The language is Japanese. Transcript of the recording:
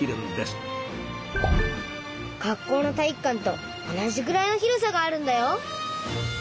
学校の体育館と同じぐらいの広さがあるんだよ。